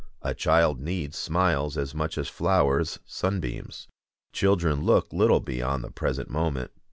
A child needs smiles as much as flowers sunbeams. Children look little beyond the present moment.